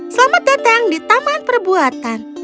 selamat datang di taman perbuatan